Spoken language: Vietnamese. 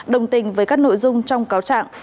đồng tình với các nội dung trong cáo trạng